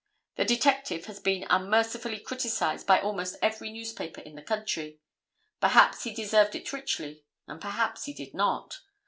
The detective has been unmercifully criticised by almost every newspaper in the country. Perhaps he deserved it richly and perhaps he did not.